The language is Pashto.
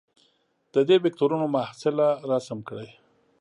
د دې وکتورونو محصله رسم کړئ.